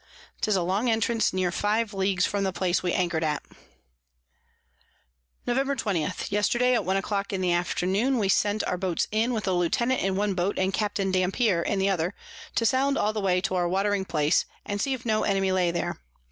'Tis a long Entrance near 5 Leagues from the place we anchor'd at. Nov. 20. Yesterday at one a clock in the Afternoon we sent our Boats in, with a Lieutenant in one Boat, and Capt. Dampier in the other, to sound all the way to our watering place, and see if no Enemy lay there.